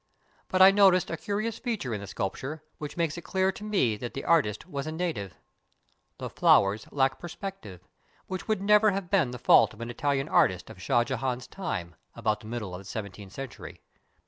But I noticed a curious feature in the sculpture, which makes it clear to me that the artist was a native. The flowers lack perspective, which would never have been the fault of an Itahan artist of Shah Jehan's time — about the middle of the seven teenth centuT}'.